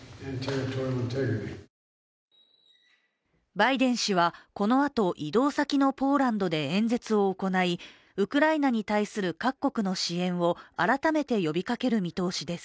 バイデン氏はこのあと、移動先のポーランドで演説を行いウクライナに対する各国の支援を改めて呼びかける見通しです。